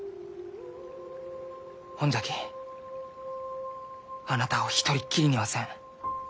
ほんじゃきあなたを一人っきりにはせん。